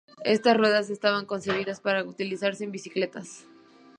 Estas ruedas estaban concebidas para utilizarse en bicicletas.